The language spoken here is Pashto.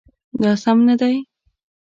دا سم نه دی